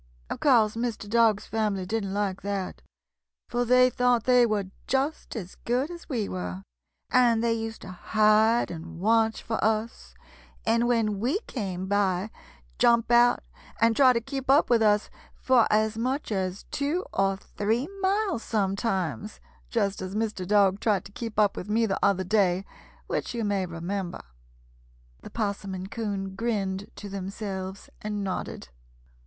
[Illustration: "USED TO HIDE AND WATCH FOR US."] "Of course Mr. Dog's family didn't like that, for they thought they were just as good as we were, and they used to hide and watch for us, and when we came by jump out and try to keep up with us for as much as two or three miles sometimes, just as Mr. Dog tried to keep up with me the other day, which you may remember." The 'Possum and 'Coon grinned to themselves and nodded.